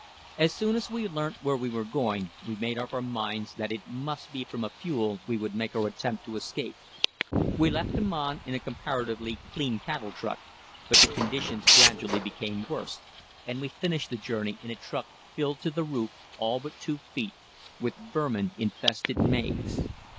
As soon as we learnt where we were going we made up our minds that it must be from Afule we would make our attempt to escape. We left Aman in a comparatively clean cattle truck, but the conditions gradually became worse, and we finished the journey in a truck filled to the roof, all but 2 feet, with vermin infested maize.